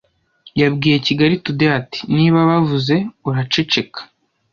yabwiye Kigali Today ati Niba bavuze uraceceka